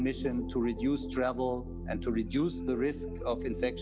misi umum untuk mengurangi perjalanan dan mengurangi risiko infeksi